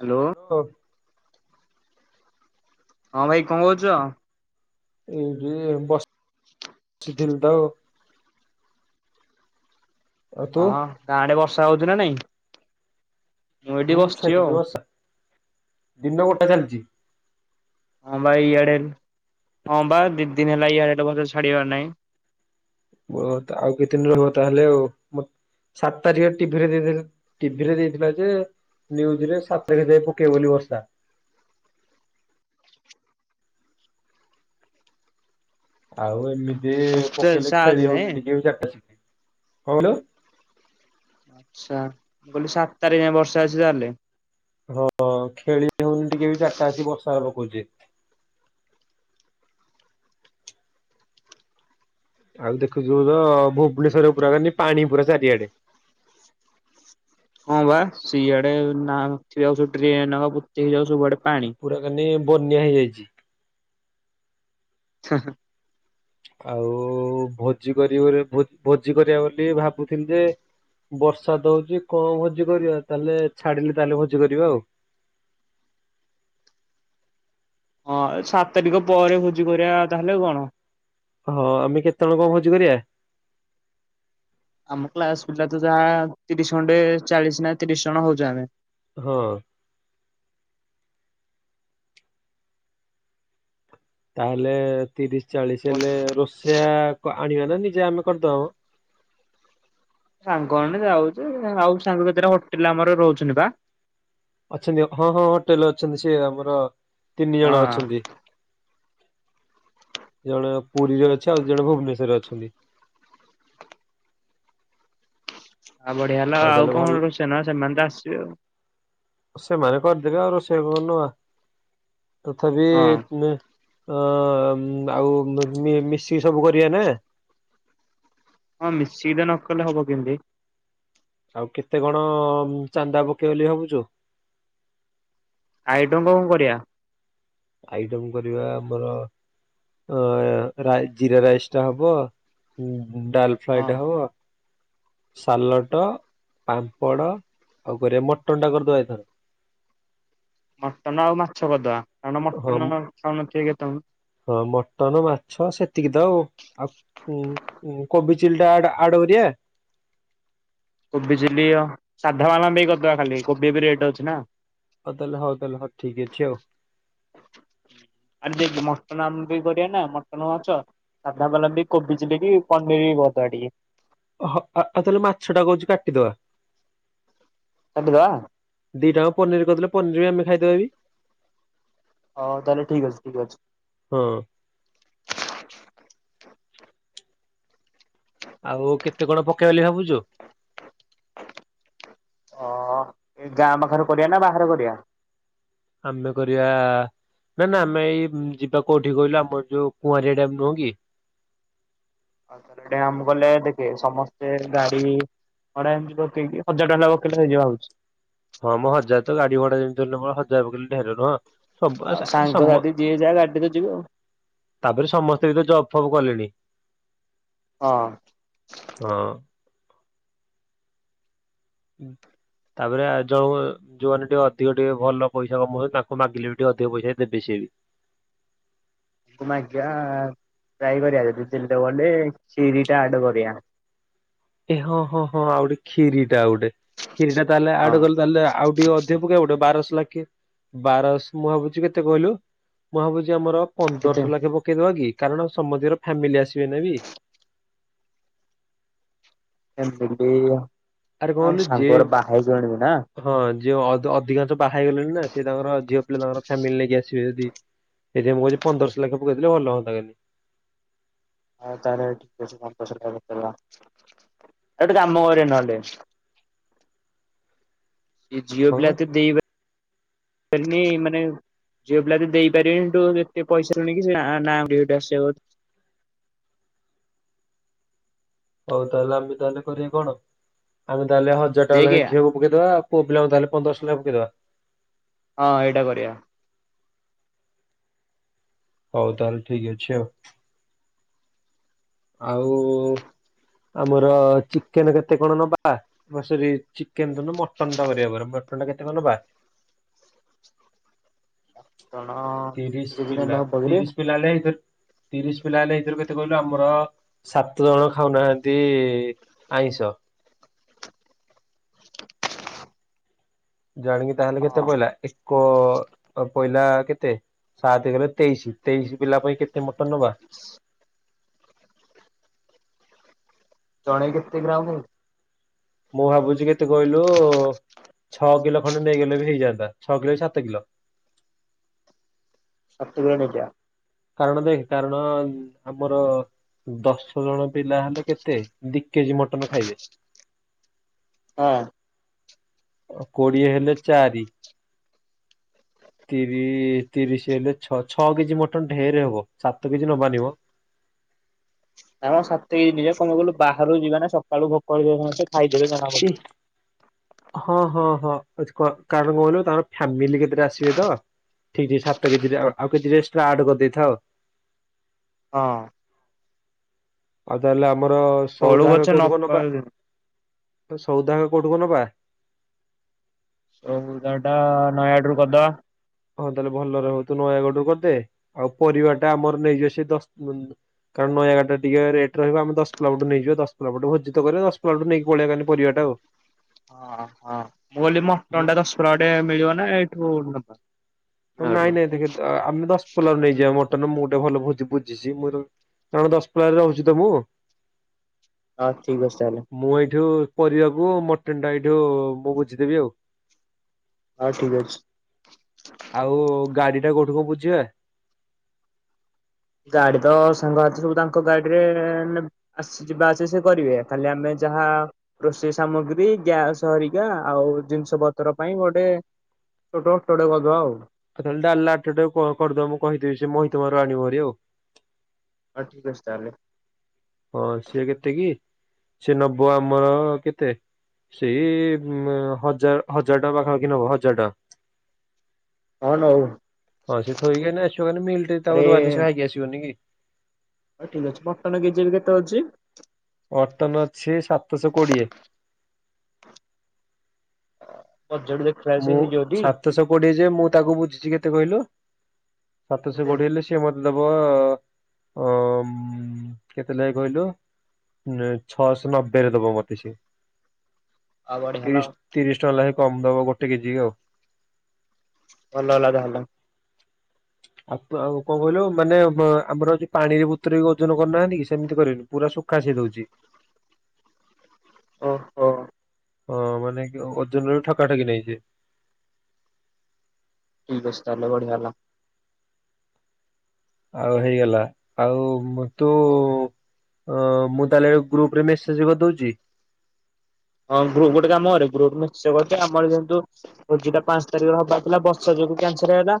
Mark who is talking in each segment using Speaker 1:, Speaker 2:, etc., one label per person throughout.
Speaker 1: Hello.
Speaker 2: [unintelligible]
Speaker 1: ହଁ ଭାଇ କଣ କହୁଛ?
Speaker 2: ଏଇଠି ବ-ବସିଥିଲି ତ। ଆଉ ତୁ?
Speaker 1: ହଁଁ ଗାଁ ଆଡ଼େ ବର୍ଷା ହଉଛି ନା ନାଇଁ? ମୁଁ ଏଇଠି
Speaker 2: ହୁଁ
Speaker 1: ବସିଛି
Speaker 2: ଛାଡିଛି
Speaker 1: ଆଉ।
Speaker 2: ବର୍ଷା ଦିନ ଗୋଟେ ଚାଲିଛି।
Speaker 1: ହଁ ବା ଇଆଡେ, ହଁ ବା ଦି- ଦିନ ହେଲା ଇଆଡେ ବର୍ଷା ଛାଡିବାର ନାହିଁ।
Speaker 2: ବ ଆଉ କେତେ ଦିନ ରହିବ ତାହେଲେ ଆଉ। ସାତ ତାରିଖ ଟିଭିରେ ଦେଇଦେଲେ, ଟିଭିରେ ଦେଇଥିଲା ଯେ ନ୍ୟୁଜ ରେ ସାତ ତାରିଖ ଯାଇ ପକେଇ ବ ବୋଲି ବର୍ଷା। ଆଉ ଏମିତି
Speaker 1: ସାତ
Speaker 2: ପକେଇଲେ
Speaker 1: ସାତ
Speaker 2: ଖେଳି
Speaker 1: ଯାଏଁ
Speaker 2: ହଉନି ଟିକେ ଚାରିଟା ଶିଖେ। କଣ କହିଲ?
Speaker 1: ଆଚ୍ଛା। ମୁଁ କହିଲି ସାତ ତାରିଖ ଯାଏ ବର୍ଷା ଅଛି ତାହେଲେ?
Speaker 2: ହଁ ଖେଳି ହଉନି ଟିକେ ବି ଚାରିଟା ଆସିିକି ବର୍ଷା ପକଉଛି। ଆଉ ଦେଖୁଥିବୁ ତ ଭୁବନେଶ୍ୱର ପୁରା କି ପାଣି ପୁରା ଚାରିଆଡେ।
Speaker 1: ହଁ ବା ସିଆଡେ ନାଳ ନଥିବାକୁ ସବୁ ଡ୍ରେନ୍ ପୋତି ହେଇଯାଉଛି ସବୁଆଡ଼େ
Speaker 2: ପୁରା କାନେ ବନ୍ୟା ହେଇଯାଇଛି।
Speaker 1: [inaudible]
Speaker 2: ଆଉ ଭୋଜି କରବେ ବୋଲି, ଭୋଜି କରିବା ବୋଲି ଭାବୁଥିଲି ଯେ ବର୍ଷା ଦ ହଉଛି କଣ ଭୋଜି କରିବା? ତାହେଲେ ଛାଡିଲେ ତାହେଲେ ଭୋଜି କରିବା ଆଉ।
Speaker 1: ହଁ ସାତ୍ ତାରିଖ ପରେ ଭୋଜି କରିବା ତାହେଲେ କଣ?
Speaker 2: ହଁ ଆମେ କେତେବେଳେ କଣ ଭୋଜି କରିବା?
Speaker 1: ଆମ କ୍ଲାସ ପିଲା ତ ଯାହା ତିରିଶ ଖଣ୍ଡେ ଚାଳିଶ ନା ତିରିଶ ଜଣ ହଉଛୁ ଆମେ।
Speaker 2: ହଁ। ତାହେଲେ ତିରିଶ ଚାଳିଶ ହେଲେ ରୋଷେଆ ଆଣିବା ନା ନିଜେ ଆମେ କରିଦବା ମ?
Speaker 1: ସାଙ୍ଗ ମାନେ ଯାଉଚୁ, ଆଉ ସାଙ୍ଗ କେତେଟା ହୋଟେଲ ରେ ଆମର ରହୁଛନ୍ତି ବା।
Speaker 2: ଅଛନ୍ତି। ହଁ ହଁ ହୋଟେଲ ରେ ଅଛନ୍ତି। ସେ ଆମର ତିନି ଜଣ
Speaker 1: ହଁ
Speaker 2: ଅଛନ୍ତି। ଜଣେ ପୁରୀରେ ଅଛି ଆଉ ଦି ଜଣ ଭୁବନେଶ୍ୱର ରେ ଅଛନ୍ତି।
Speaker 1: ଆଉ ବଢିଆ ହେଲା। ଆଉ
Speaker 2: ତାହେଲେ ଭଲ
Speaker 1: କଣ ରୋଷେନ ସେମାନେ ତ ଆସିବେ ଆଉ।
Speaker 2: ସେମାନେ କରିଦେବେ ଆଉ ରୋଷେଇ କଣ ନବା, ତଥାପି
Speaker 1: ହଁ
Speaker 2: ଅ ଆଉ ମି-ମିଶିକି ସବୁ କରିବା ନା?
Speaker 1: ହଁ ମିଶିକିରି ନ କଲେ ହବ କେମିତି?
Speaker 2: ଆଉ କେତେ କଣ ଚାନ୍ଦା ପକେଇ ବୋଲି ଭାବୁଛୁ?
Speaker 1: ଆଇଟମ୍ କଣ କରିବା?
Speaker 2: ଆଇଟମ କରିବା ଆମର ଅ ରାଇ-ଜିରାରାଇସ୍ ଟା ହବ। ହଁ ଡାଲ
Speaker 1: ହଁ
Speaker 2: ଫ୍ରାଏ ଟେ ହବ। ସାଲଟ, ପାମ୍ପଡ ଆଉ କରିବା ମଟନ ଟା କରିଦବା ଏଥର?
Speaker 1: ମଟନ ଆଉ ମାଛ କରିଦେବା। କାରଣ
Speaker 2: ହଁ
Speaker 1: ମଟନ ଖାଉନଥିବେ କେତଜଣ।
Speaker 2: ହଁ ମଟନ ମାଛ ସେତିକି ତ ଆଉ, ଆଉ। ହୁଁ ହୁଁ କୋବି ଚିଲିଟା ଆଡ କରିଆ?
Speaker 1: କୋବି ଚିଲ୍ଲି ଆ ସାଧା ମାନଙ୍କ ପାଇଁ କରିଦବା ଖାଲି କୋବି ବି ରେଟ୍ ଅଛି ନା।
Speaker 2: ହଉ ତାହେଲେ ତାହେଲେ ଠିକ୍ ଅଛି ଆଉ।
Speaker 1: ଆ ଦେଖ ମଟନ ଆମ ବି କରିବା ନା ମଟନ ମାଛ। ସାଧା ବାଲା ବି କୋବି ଚିଲି କି ପନିର ବି କରିଦେବା ଟିକେ।
Speaker 2: ହା ଅ ଆଉ ତାହେଲେ ମାଛ ଟା କହୁଛି କାଟିଦବା?
Speaker 1: କାଟିିଦବା?
Speaker 2: ଦିଟ ଟାଙ୍କ ପନିର କରିଦଲେ ପନିର ବି ଆମେ ଖାଇଦବା ବି?
Speaker 1: ହଁ ତାହେଲେ ଠିକ୍ ଅଛି, ଠିକ୍ ଅଛି।
Speaker 2: ହଁ। ଆଉ କେତେ କଣ ପକେଇ ବା ବୋଲି ଭାବୁଛୁ?
Speaker 1: ଓ ଏ ଗାଁ ପାଖରେ କରିବ ନା ବାହାରେ କରିବା?
Speaker 2: ଆମେ କରିବା ନା ନା ଆମେ ଏଇ ଯିବା କୋଉଠି କହିଲୁ ଆମର ଯୋଉ ଙ୍କୁଆରିଆ ଡ୍ୟାମ ନୁହଁ କି?
Speaker 1: ଆଉ ତାହଲେ ଡ୍ୟାମ୍ ଗଲେ ଦେଖେ ସମସ୍ତେ ଗାଡି ଭଡା ଏମିତି ପକେଇକି ହଜାର ଟଙ୍କା ଟା ପକେଇଲେ ହେଇଯିବ ଭାବୁଛି
Speaker 2: ହଁ ମ ହଜାର ତ ଗାଡି ଭଡା ଯେମିତି ହେଲେ ହଁ ହଜାର ପକେଇଲେ ଢେରେ ଟଙ୍କା
Speaker 1: ଆଉ ସାଙ୍ଗସାଥି ଯିଏ ଯାହା ଗାଡି ରେ ଯିବ
Speaker 2: ତାପରେ ସମସ୍ତେ ବି ତ ଜବ ଫବ କଲେଣି।
Speaker 1: ହଁ।
Speaker 2: ହଁ। ଉଁ ତାପରେ ଆଉ ଯଉ ଯୋଉମାନେ ଟିକେ ଅଧିକ ଟିକେ ଭଲ ପଇସା କମଉଛ ତାଙ୍କୁ ମାଗିଲେ ବି ଟିକେ ଅଧିକ ପଇସା ଦେବେ ସିଏ ବି
Speaker 1: ତାଙ୍କୁ ମାଗିବା ଟ୍ରାଏ କରିଆ ଯଦି ଦିଲ ଦବଲେ କ୍ଷୀରି ଟା ଆଡ କରିଆ।
Speaker 2: ଏ ହଁ ହଁ ହଁ ଆଉ ଗୋଟେ କ୍ଷୀରି ଟା ଗୋଟେ କ୍ଷୀରି ଟା ତାହେଲେ ଆଡ
Speaker 1: ହଁ
Speaker 2: କଲେ ତାହେଲେ ଆଉ ଟିକେ ଅଧି ପକେଇବା ଗୋଟେ ବାରଶ ଲେଖେ ବାରଶ ମୁଁ ଭାବୁଛି କେତେ କହିଲୁ ମୁଁ ଭାବୁଛି ଆମର
Speaker 1: କେତେ
Speaker 2: ପନ୍ଦରଶହ ଲେଖେ ପକେଇଦବା କି କାରଣ ସମସ୍ତିଙ୍କର ଫ୍ୟାମିଲି ଆସିବେ ନା ବି।
Speaker 1: ଏମିତି
Speaker 2: ଆରେ କଣ
Speaker 1: ଅ
Speaker 2: କହିଲୁ ଯିଏ
Speaker 1: ସାଙ୍ଗର ବାହା [unintelligible] ନା।
Speaker 2: ହଁ ଯିଏ ଅଧ୍ ଅଧିକାଂଶ ବାହା ହେଇଗଲେଣି ନା ସେ ତାଙ୍କର ଝିଅ ପିଲା ତାଙ୍କର ଫ୍ୟାମିଲି ନେଇକି ଆସିବେ ଯଦି। ସେଥିପାଇଁ ମୁଁ କହୁଚି ପନ୍ଦରଶ ଲେଖାଁ ପକେଇଦେଲେ ଭଲ ହଅନ୍ତା କାଲି।
Speaker 1: ଆଉ ତାହେଲେ ଠିକ ଅଛି ପନ୍ଦର ସହ ଟଙ୍କା ପକେଇଦବା ଆ ଗୋଟେ କାମ କରିବା ନହେଲେ। ଏ ଝିଅ ପିଲା
Speaker 2: କହୁନୁ
Speaker 1: ଏତେ ଦେଇ ବେନି ମାନେ ଝିଅ ପିଲା ଏତେ ଦେଇପାରିବେନି ତୁ ଏତେ ପଇସା ଶୁଣିକି ସେ ନା ନା [unintelligible] ଆସି
Speaker 2: ହଉ ତାହେଲେ ଆମେ ତାହେଲେ କରିବା କଣ ଆମେ ତାହେଲେ ହଜାର ଟଙ୍କା
Speaker 1: ଦେଖେ
Speaker 2: ଲେଖେ ଝିଅ ପକେଇଦବା ଆଉ ପୁଅ ପିଲାଙ୍କୁ ତାହେଲେ ପନ୍ଦରଶ ଲେଖେ ପକେଇଦବା।
Speaker 1: ହଁ ଏଇଟା କରିବା।
Speaker 2: ହଉ ତାହେଲେ ଠିକ ଅଛି ଆଉ। ଆଉ ଆମର ଚିକେନ କେତେ କଣ ନବା ମ ସରି ଚିକେନ ତ ନୁହ ମଟନ ଟା କରିବା ପରା ମଟନ୍ ଟା କେତେ କଣ ନବା?
Speaker 1: ଜଣ
Speaker 2: ତିରିଶ
Speaker 1: କେଜି ନେଲେ
Speaker 2: ପିଲା
Speaker 1: ହବ କିରେ?
Speaker 2: ତିରିଶ ପିଲା ହେଲେ ଏଇ ତ ତିରିଶ ପିଲା ହେଲେ ଏଇଥିର କେତେ କହିଲୁ ଆମର ସାତ ଜଣ ଖାଉନାହାନ୍ତି ଆଇଁଷ। ଜଣ କି ତାହେଲେ କେତେ
Speaker 1: ହଁ
Speaker 2: ପଇଲା ଏକ ଅ ପଇଲା କେତେ? ସାତ ଗଲେ ତେଇଶି ତେଇଶି ପିଲା ପାଇଁ କେତେ ମଟନ ନବା?
Speaker 1: ଜଣେ କେତେ ଗ୍ରାମ ଖାଇବ?
Speaker 2: ମୁଁ ଭାବୁଛି କେତେ କହିଲୁ ଛଅ କିଲୋ ଖଣ୍ଡେ ନେଇଗଲେ ବି ହେଇଯାଆନ୍ତା ଛଅ କିଲୋ ବି ସାତ କିଲୋ।
Speaker 1: ସାତେ ଜଣକିଆ
Speaker 2: କାରଣ ଦେଖେ କାରଣ ଉଁ ଆମର। ଦଶ ଜଣ ପିଲା ହେଲେ କେତେ ଦି କେଜି ମଟନ ଖାଇବେ।
Speaker 1: ହଁ।
Speaker 2: ଅ କୋଡିଏ ହେଲେ ଚାରି। ତିରିଶ ତିରିଶ ହେଲେ ଛ-ଛଅ କେଜି ମଟନ ଢେରେ ହବ ସାତ କେଜି ନବାନି ମ।
Speaker 1: ନା ମ ସାତ କେଜି ନେଇଯିବା ପୁଣି କଣ କହିଲୁ ବାହାରୁ ଯିବେ ନା ସକାଳୁ ଭୋକ ହେଇଥିବ ସମସ୍ତେ ଖାଇଦେବେ ଜଣା
Speaker 2: ଇ
Speaker 1: ପଡ଼ିବନି।
Speaker 2: ହଁ ହଁ ହଁ ଅଚ କ କାରଣ କଣ କହିଲୁ ତାଙ୍କର ଫ୍ୟାମିଲି କେତେଟା ଆସିବେ ତ। ଠିକ୍ ଠିକ୍ ସାତ କେଜି ରେ ଆଉ ଆଉ କେଜିଟେ ଏକ୍ସଟ୍ରା ଆଡ୍ କରିଦେଇଥା ଆଉ
Speaker 1: ହଁ।
Speaker 2: ଆଉ ତାହେଲେ ଆମର
Speaker 1: ବଳୁ
Speaker 2: ସଉଦାଙ୍କ
Speaker 1: ଗଛ ନ
Speaker 2: କୋଉଠୁ କ ନବା
Speaker 1: ପାଇଲେ
Speaker 2: ସଉଦାଙ୍କ କୋଉଠୁ କ ନବା?
Speaker 1: ସଉଦା ଟା ନୟାଗଡ଼ ରୁ କରିଦବା।
Speaker 2: ହଁ ତାହେଲେ ଭଲରେ ହଵ ତୁ ନୟାଗଡରୁ କରିଦେ ଆଉ ପରିବା ଟା ଆମର ନେଇଯିବା ସେ ଦଶ ଅଁ କାରଣ ନୟାଗଡରେ ଟିକେ ରେଟ ରହିବ ଆମେ ଦଶପଲା ପଟୁ ନେଇଯିବା ଦଶପଲା ପଟୁ ଭୋଜି ତ କରିବା ଦଶପଲା ପଟୁ ନେଇକି ପଳେଇବା ଖାଲି ପରିବା ଟା ଆଉ।
Speaker 1: ହଁ ହଁ ମୁଁ କହିଲି ମଟନଟା ଦଶପଲା ପଟେ ମିଳିବ ନା ଏଇଠୁ ନବା?
Speaker 2: କ ନାଇଁ
Speaker 1: ନୟାଗଡ଼ରୁ।
Speaker 2: ନାଇଁ ଦେଖେ ଦ ଆମେ ଦଶପଲାରୁ ନେଇଯିବା ମ ମଟନ ମୁଁ ଗୋଟେ ଭଲ ଭୋଜି ବୁଝିଛି ମୋର କାରଣ ଦଶପଲା ରେ ରହୁଛି ତ ମୁଁ।
Speaker 1: ଆଉ ଠିକ୍ ଅଛି ତାହେଲେ।
Speaker 2: ମୁଁ ଏଇଠୁ ପରିବାକୁ ମଟନ ଟା ଏଇଠୁ ମୁଁ ବୁଝିଦେବି ଆଉ।
Speaker 1: ହଉ ଠିକ ଅଛି।
Speaker 2: ଆଉ ଗାଡି ଟା କୋଉଠି କ ବୁଝିବା?
Speaker 1: ଗାଡି ତ ସାଙ୍ଗ ହାତ ସବୁ ତାଙ୍କ ଗାଡିରେ ନେ ଆସ ଯିବା ଆସିବା ସେ କରିବେ ଖାଲି ଆମେ ଯାହା ରୋଷେଇ ସାମଗ୍ରୀ ଗ୍ୟାସ ହରିକା ଆଉ ଜିନିଷ ପତ୍ର ପାଇଁ ଗୋଟେ ଛଟୋ ଟଡେ କରିଦବା ଆଉ।
Speaker 2: କହେ ଡାଲା ଅଟୋ ଟା କୁ କ କରିଦବ ମୁଁ କହିଦେଇଚି ସେ ମହିତ ଘରୁ ଆଣିବ ହରି ଆଉ।
Speaker 1: ହଁ ଠିକ୍ ଅଛି ତାହେଲେ।
Speaker 2: ପଇସା କେତେ କି ସେ ନବ ଆମର କେତେ? ସେଇ ଉ ହଜା ହଜାର ଟଙ୍କା ପାଖାପାଖି ନବ ହଜାର ଟଙ୍କା।
Speaker 1: ହଁ ନଉ
Speaker 2: ହ ସେ ଥୋଇ କି ନେଇ ଆସିବ ମାନେ ମିିଲ ଟେ ତାକୁ
Speaker 1: ଆରେ
Speaker 2: ଦବାନି ସେ ଖାଇକି ଆସିବନି କି?
Speaker 1: ହଉ ଠିକ ଅଛି ମଟନ୍ କେଜି ଏବେ କେତେ ଅଛି?
Speaker 2: ମଟନ୍ ଅଛି ସାତଶହ କୋଡିଏ।
Speaker 1: ଅ ବଜେଟ୍ ଦେଖ
Speaker 2: ମୁଁ ସାତଶହ କୋଡିଏ ଯେ ମୁଁ ତାକୁ ବୁଝିଚି କେତେ କହିଲୁ ସାତଶହ
Speaker 1: କେତେ?
Speaker 2: କୋଡିଏ ହେଲେ ସେ ମତେ ଦବ ଅମ୍ କେତେ ଲେଖା କହିଲୁ? ଉ ଛଅଶହ ନବେ ରେ ଦବ ମୋତେ ସେ
Speaker 1: ଆଉ ବଢିଆ ହେଲା
Speaker 2: ତିରିଶ
Speaker 1: ଆଉ
Speaker 2: ତିରିଶ ଟଙ୍କା ଲେଖା କମ ଦବ ଗୋଟେ କେଜି ଆଉ।
Speaker 1: ଭଲ ହେଲା ଯାହଲ।
Speaker 2: ଆଉ ଆଉ କଣ କହିଲୁ ମାନେ ଆମରଉ ପାଣିରେ ବୁତ୍ରଇ କି ଓଜନ କରୁନାହାନ୍ତି କି ସେମିତି କରିନୁ। ପୁରା ସୁଖା ସେ ଦଉଚି।
Speaker 1: ଓ ହୋ।
Speaker 2: ଅ ମାନେ କି ଓଜନ ର ବି ଠକାଠକି ନେଇଯିବେ।
Speaker 1: ଠିକ ଅଛି ତାହେଲେ ବଢିଆ ହେଲା।
Speaker 2: ଆଉ ହେଇଗଲା ଆଉ ମୁ ତୁ ଅ ମୁଁ ତାହେଲେ ଗ୍ରୁପ ରେ ମେସେଜ କରିଦଉଚି।
Speaker 1: ହଁ ଗ୍ରୁପ ଗୋଟେ କାମ କରେ ଗ୍ରୁପ ନିଶ୍ଚୟ କରି ଆମର କିନ୍ତୁ ଭୋଜିଟା ପାଞ୍ଚ ତାରିଖରେ ହବାର ଥିଲା ବର୍ଷା ଯୋଗୁ କ୍ୟାନସଲ ହେଇଗଲା।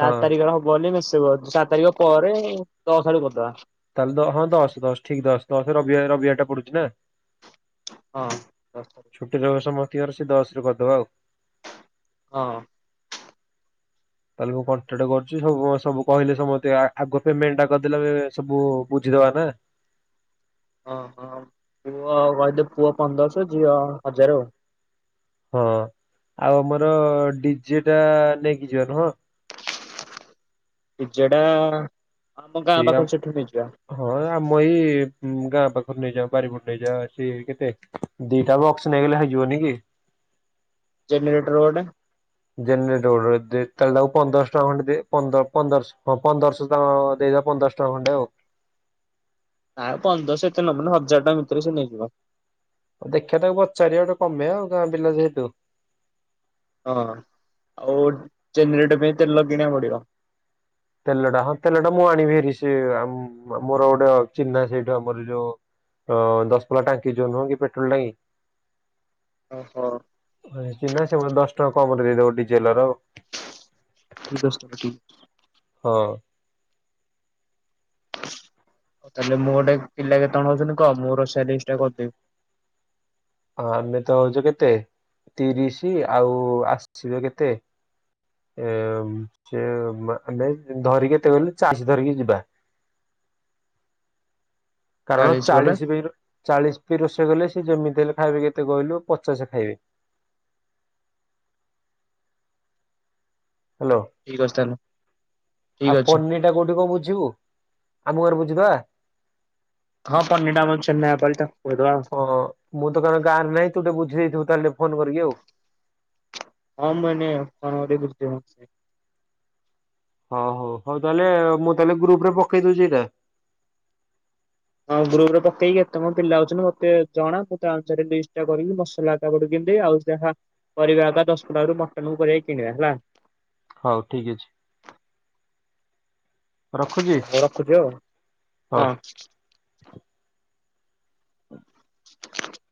Speaker 1: ଚାର
Speaker 2: ହଁ
Speaker 1: ତାରିଖରେ ହବ ବୋଲି ମିଶିବ ସାତ ତାରିଖ ପରେ ଦଶଆଡୁ କରିଦବା।
Speaker 2: ତାହେଲେ ହଁ ଦଶ ଦଶ ଠିକ ଦଶ ଦଶ ରବ ରବିବାର ଟା ପଡୁଚି ନା।
Speaker 1: ହଁ ଦଶ।
Speaker 2: ଛୁଟି ଦେବା ସମୟ ଥିବାର ସେ ଦଶରେ କରିଦେବା ଆଉ।
Speaker 1: ହଁ।
Speaker 2: ତାହେଲେ ମୁଁ କଣ୍ଟାକ୍ଟ କରୁଚି ସବୁ କହିଲେ ସମସ୍ତେ ଆଗ ପେମେଣ୍ଟ ଟା କରିଦେଲେ ସବୁ ବୁଝିଦବା ନା।
Speaker 1: ଓ ହଁ ପୁଅ କଦ ପୁଅ ପନ୍ଦରଶହ ଝିଅ ହଜାର ଆଉ।
Speaker 2: ହଁ ଆଉ ଆମର ଡିଜେ ଟା ନେଇକି ଯିବା ନୁହଁ?
Speaker 1: ଡିଯେ ଟା ଆମ ଗାଁ ପାଖରେ ସେଠୁ ନେଇଯିବା।
Speaker 2: ହଁ ଆମ ଏଇ ଗାଁ ପାଖରୁ ନେଇଯାଅ ବାରିପୋଟ ନେଇଯାଅ ଆସି କେତେ। ଦିଟା ବକ୍ସ ନେଇଗଲେ ହେଇଯିବନି କି?
Speaker 1: ଜେନରେଟର ଗୋଟେ।
Speaker 2: ଜନେରେଟର ଗୋଟେ ଦେ ତାକୁ ପନ୍ଦରଶ ଟଙ୍କା ଖଣ୍ଡେ ଦେ ପନ୍ଦର ପନ୍ଦର ହଁ ପନ୍ଦରଶହ ଟଙ୍କ ଦେଇଦ ପନ୍ଦର ଶ ଖଣ୍ଡେ ଆଉ।
Speaker 1: ଆଉ ପନ୍ଦରଶହ ଏତେ ନବନି, ହଜାର ଟଙ୍କା ଭିତରେ ସେ ନେଇଯିବ।
Speaker 2: ଆଉ ଦେଖିବା ତାକୁ ପଚାରିବା ଗୋଟେ କମେବ ଆଉ ଗାଁ ପିଲା ଯେହେତୁ।
Speaker 1: ହଁ ଆଉ ଜେନେରଟେ ପାଇଁ ତେଲ କିଣିବାକୁ ପଡିବ।
Speaker 2: ତେଲଟା ହଁ ତେଲଟା ମୁଁ ଆଣିବି ହେରି ସେ ମ -ମୋର ଗୋଟେ ଚିହ୍ନା ସେଇଟୁ ଆମର ଯୋଉ। ଅଁ ଦଶ ପଲା ଟାଙ୍କି ଜଉ ନୁହ କି ପେଟ୍ରୋଲ ଟାଙ୍କି।
Speaker 1: ଓହୋ।
Speaker 2: ହଁ ଚିହ୍ନା ସେମାନେେ ଦଶ ଟଙ୍କା କମରେ ଦେଇଦବ ଡିଜେଲ ର।
Speaker 1: [unintelligible]
Speaker 2: ହଁ ଅଁ
Speaker 1: ଉ ତାହେଲେ ମୋଟେ ପିଲା କେତେଜଣ ହଉଛନ୍ତି କହ? ମୁଁ ରୋଷେଇଆ ଲିଷ୍ଟଟା କରିଦେବି।
Speaker 2: ଆମେ ତ ହଉଛ କେତେ? ତିରିଶି, ଆଉ ଆସିବେ କେତେ? ଏ ସେ ଆମେ ଧରିକି କେତେ ଗଲେ ଚାଷୀ ଧରିକି ଯିବା। କାରଣ ଚାଳିଶ ବି ଚାଳିଶ ବି ରୋଷେଇ କଲେ ସେ ଯେମିତି ହେଲେ ଖାଇବେ କେତେ କହିଲୁ, ପଚାଶ ଖାଇବେ। ହାଲୋ
Speaker 1: ଠିକ୍ ଅଛି ତାହେଲେ, ଠିକ୍ ଅଛି।
Speaker 2: ଏଇଟା କୋଉଠି କଣ ବୁଝିବୁ, ଆମ ଗାଁରେ ବୁଝିଦବା?
Speaker 1: ହଁ [unintelligible]
Speaker 2: ହଁ ହଁ, ମୁଁ ତ କାରଣ ଗାଁରେ ନାହିଁ, ତୁ ଟିକେ ବୁଝି ଦେଇଥିବୁ ତାହେଲେ ଫୋନ କରିକି ଆଉ
Speaker 1: ଆଉ ମାନେ କଣ [unintelligible]
Speaker 2: ହଁ ହଁ, ହଉ ତାହେଲେ ମୁଁ ତାହେଲେ ଗ୍ରୁପ ରେ ପକେଇ ଦଉଛି ଏଇଟା।
Speaker 1: ହଁ ଗ୍ରୁପ ରେ ପକେଇକି କେତେ ମ ପିଲା ଆଉଛନ୍ତି ମତେ ଜଣା, ମୁଁ ତା ଅନୁସାରେ ଲିଷ୍ଟଟା କରିକି ମସଲା [unintelligible] ପଟୁ କିି ଆଉ ଯାହା କରିବା କଥା ଦଶ କଟୁ ମଟନ କରିବା କିଣିବା ହେଲା।
Speaker 2: ହଉ ଠିକ୍ ଅଛି। ରଖୁଛି
Speaker 1: ରଖୁଚି ଆଉ
Speaker 2: ହଉ।
Speaker 1: ହଁ।
Speaker 2: ହଁ
Speaker 1: [unintelligible]